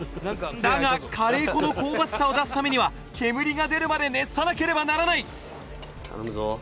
だがカレー粉の香ばしさを出すためには煙が出るまで熱さなければならない